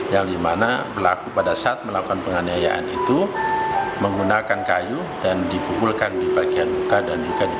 yang dimana pelaku pada saat melakukan penganiayaan itu menggunakan kayu dan dipukulkan di bagian muka dan juga di